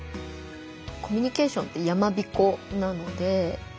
コミュニケーションってやまびこなので。